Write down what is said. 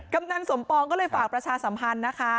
กำนันสมปองก็เลยฝากประชาสัมพันธ์นะคะ